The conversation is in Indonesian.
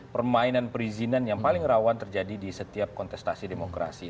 permainan perizinan yang paling rawan terjadi di setiap kontestasi demokrasi